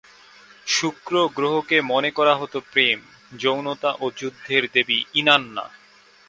শুক্র গ্রহকে মনে করা হত প্রেম, যৌনতা ও যুদ্ধের দেবী ইনান্না।